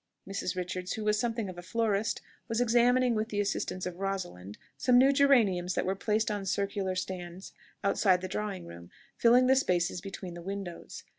Mrs. Richards, who was something of a florist, was examining, with the assistance of Rosalind, some new geraniums that were placed on circular stands outside the drawing room, filling the spaces between the windows.